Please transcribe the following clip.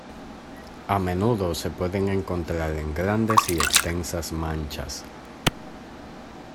A menudo se pueden encontrar en grandes y extensas manchas.